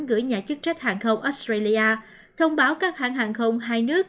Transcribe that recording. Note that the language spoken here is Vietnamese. gửi nhà chức trách hàng không australia thông báo các hãng hàng không hai nước